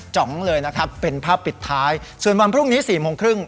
จ๋องเลยนะครับเป็นภาพปิดท้ายส่วนวันพรุ่งนี้สี่โมงครึ่ง